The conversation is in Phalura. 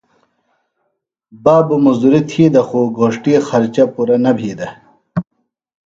بابو مُزدُریۡ تھی دےۡ خُو گھوݜٹی خرچہ پُرہ نہ بھی دےۡ۔